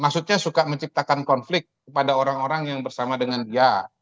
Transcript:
maksudnya suka menciptakan konflik kepada orang orang yang bersama dengan dia